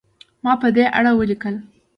ما په دې اړه ولیکل.